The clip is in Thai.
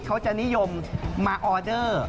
เขาจะนิยมมาออเดอร์